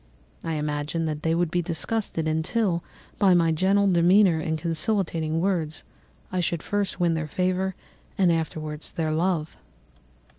I imagined that they would be disgusted, until, by my gentle demeanour and conciliating words, I should first win their favour and afterwards their love.